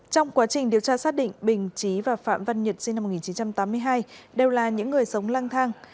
trong quá trình điều tra xác định bình trí và phạm văn nhật sinh năm một nghìn chín trăm tám mươi hai đều là những người sống lang thang